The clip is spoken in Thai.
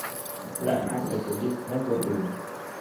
และมักเป็นคนที่ทำให้คนอื่น